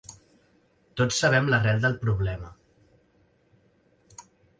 Tots sabem l'arrel del problema.